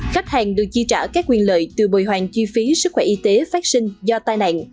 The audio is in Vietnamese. khách hàng được chi trả các quyền lợi từ bồi hoàn chi phí sức khỏe y tế phát sinh do tai nạn